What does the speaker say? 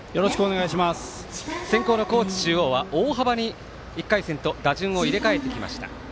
先攻の高知中央は１回戦と打順を入れ替えてきました。